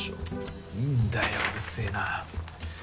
ちっいいんだようるせぇな。